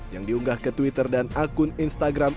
yang diunggah ke twitter dan akun instagram